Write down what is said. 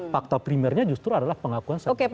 fakta primernya justru adalah pengakuan sudara andi arief